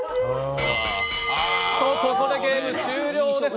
ここでゲーム終了です。